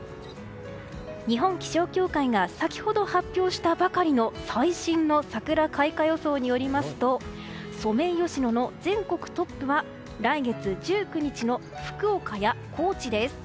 日本気象協会が先ほど発表したばかりの最新の桜開花予想によりますとソメイヨシノの全国トップは来月１９日の福岡や高知です。